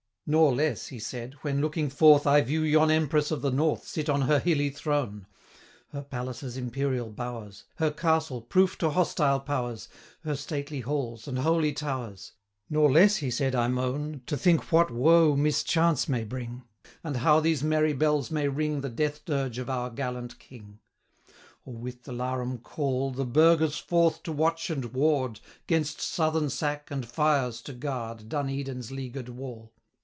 'Nor less,' he said, 'when looking forth, I view yon Empress of the North 660 Sit on her hilly throne; Her palace's imperial bowers, Her castle, proof to hostile powers, Her stately halls and holy towers Nor less,' he said, 'I moan, 665 To think what woe mischance may bring, And how these merry bells may ring The death dirge of our gallant King; Or with the larum call The burghers forth to watch and ward, 670 'Gainst southern sack and fires to guard Dun Edin's leaguer'd wall.